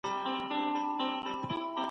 په ټولنه کې د باور فضا بېرته رامنځته کړئ.